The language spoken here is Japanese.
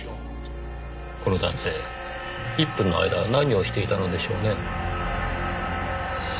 この男性１分の間何をしていたのでしょうねぇ。